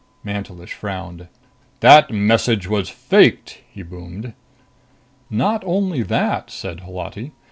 Mantelish frowned. "The message was faked!" he boomed. "Not only that," said Holati.